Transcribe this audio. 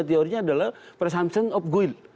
teorinya adalah persamsen of guin